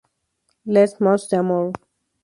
Les mots d'amour!